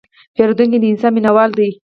پیرودونکی د انصاف مینهوال دی.